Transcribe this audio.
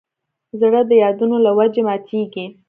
زړه د یادونو له وجې ماتېږي.